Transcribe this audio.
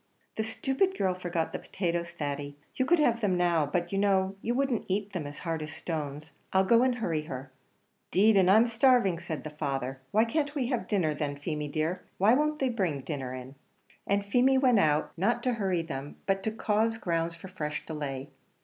"The stupid girl forgot the potatoes, Thady. You could have them now; but you know, you wouldn't eat them as hard as stones. I'll go and hurry her." "'Deed and I'm starving," said the father. "Why can't we have dinner then, Feemy dear? Why won't they bring dinner in?" And Feemy went out, not to hurry them, but to cause grounds for fresh delay.